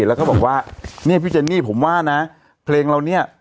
แล้วก็บอกว่าเนี่ยพี่เจนนี่ผมว่านะเพลงเราเนี่ย